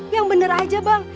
yang bener aja bang